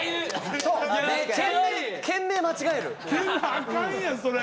あかんやんそれ。